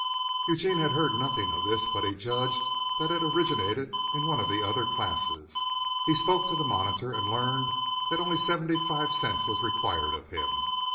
Eugene had heard nothing of this, but he judged that it originated in one of the other classes. He spoke to the monitor and learned that only seventy five cents was required of him.